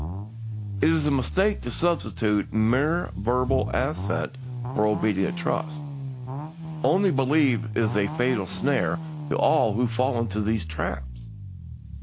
"It is a mistake to substitute mere verbal assent for obedient trust. 'Only believe' is a fatal snare to all who fall into these traps.